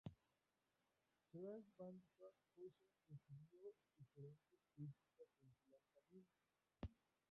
Crash Bandicoot Fusión recibió diferentes críticas en su lanzamiento.